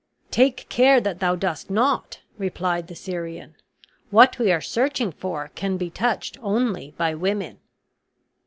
"Take care that thou dost not," replied the Syrian; "what we are searching for can be touched only by women."